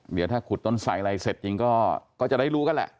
เดี๋ยวถ้าขุดต้นใส่อะไรเสร็จจริงก็จะได้รู้กันแหละ